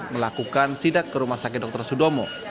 melakukan sidak ke rumah sakit dr sudomo